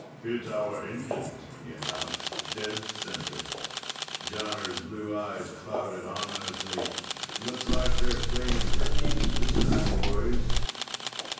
"Hit our engines," he announced. "Dead center." Jonner's blue eyes clouded ominously. "Looks like they're playing for keeps this time, boys."